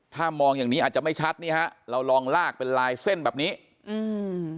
ถ้ามองอย่างนี้อาจจะไม่ชัดนี่ฮะเราลองลากเป็นลายเส้นแบบนี้อืม